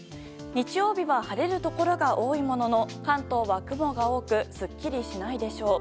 日曜日は晴れるところが多いものの関東は雲が多くすっきりしないでしょう。